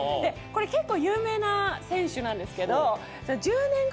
これ結構有名な選手なんですけど。